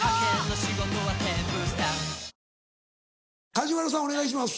梶原さんお願いします。